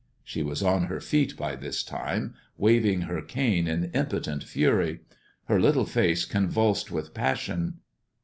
She was on her feet by this time, waving her cane in impotent fury; her little face convulsed with passion.